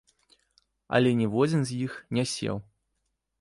Але ніводзін з іх не сеў.